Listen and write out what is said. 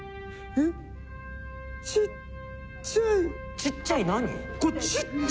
ちっちゃい何？